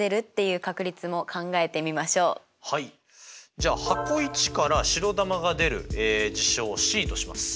じゃあ箱①から白球が出る事象をＣとします。